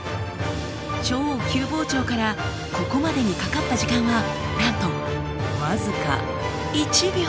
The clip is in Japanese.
超急膨張からここまでにかかった時間はなんと僅か１秒！